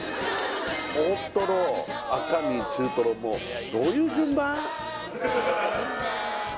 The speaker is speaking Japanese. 大トロ赤身中トロどういう順番？